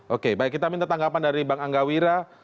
oke baik kita minta tanggapan dari bang angga wira